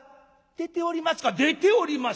「出ております出ております。